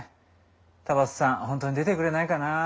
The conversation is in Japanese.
田畑さん本当に出てくれないかなあ。